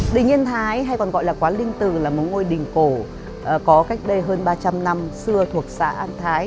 đỉnh yên thái hay còn gọi là quán linh từ là một ngôi đỉnh cổ có cách đây hơn ba trăm linh năm xưa thuộc xã an thái